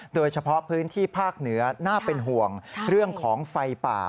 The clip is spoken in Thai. โดยเฉพาะพื้นที่ภาคเหนือน่าเป็นห่วงเรื่องของไฟป่า